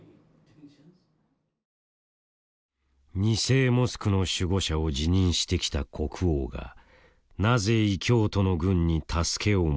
二聖モスクの守護者を自認してきた国王がなぜ異教徒の軍に助けを求めるのか。